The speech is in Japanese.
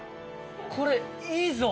これいいぞ！